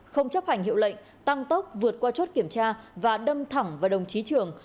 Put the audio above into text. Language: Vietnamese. không chấp hành hiệu lệnh tăng tốc vượt qua chốt kiểm tra và đâm thẳng vào đồng chí trường